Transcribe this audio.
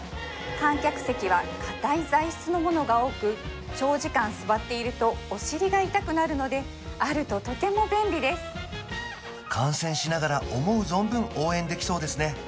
観客席は硬い材質のものが多く長時間座っているとお尻が痛くなるのであるととても便利です観戦しながら思う存分応援できそうですね